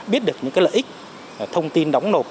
biết được những lợi ích thông tin đóng nộp